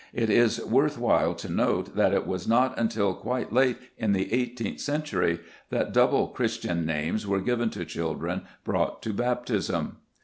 It is worth while to note that it was not until quite late in the eighteenth century that double Christian names were given to children brought to baptism.